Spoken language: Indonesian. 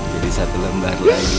jadi satu lembar lagi